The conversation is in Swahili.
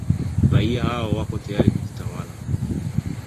raia hao wako tayari kujitawala